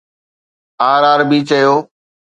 R R B چيو